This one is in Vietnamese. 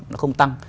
nó không tăng